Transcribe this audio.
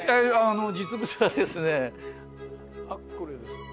あの実物がですねこれです。